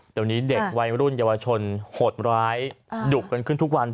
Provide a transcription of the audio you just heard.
เดี๋ยวนี้เด็กวัยรุ่นเยาวชนโหดร้ายดุกันขึ้นทุกวัน